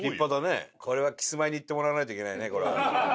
これはキスマイに行ってもらわないといけないね。